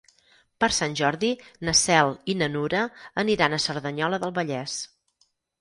Per Sant Jordi na Cel i na Nura aniran a Cerdanyola del Vallès.